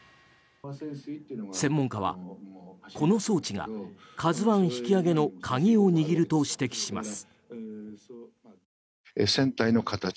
専門家は、この装置が「ＫＡＺＵ１」引き揚げの鍵を握ると指摘します。